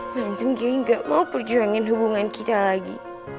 mansum gary gak mau perjuangin hubungan kita lagi